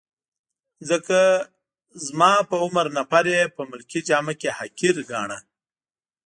ځکه د ما په عمر نفر يې په ملکي جامه کي حقیر ګاڼه.